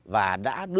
và đã đưa quân ra